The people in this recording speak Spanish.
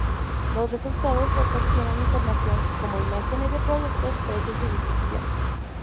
Los resultados proporcionan información, como imágenes de productos, precios y descripción.